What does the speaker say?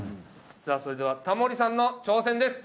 さあそれではタモリさんの挑戦です。